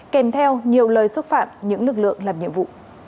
kèm theo nhiều lời xúc phạm những lực lượng làm nhiệm vụ